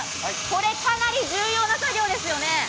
これかなり重要な工程ですよね？